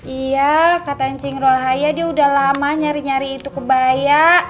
iya katanya cinggiruahaya dia udah lama nyari nyari itu kebaya